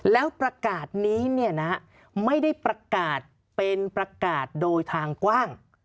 แล้วประกาศนี้เนี่ยนะไม่ได้ประกาศเป็นประกาศโดยทางกว้าง